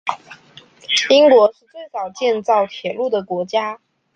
英国是最早建造铁路的国家。